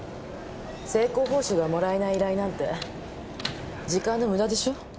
成功報酬がもらえない依頼なんて時間のムダでしょ。